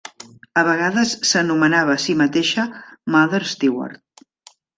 A vegades s'anomenava a si mateixa Mother Stewart.